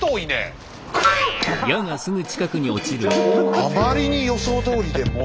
あまりに予想どおりでもう。